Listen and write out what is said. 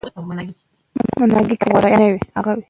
سرحدونه د افغانستان د اقتصادي ودې لپاره ارزښت لري.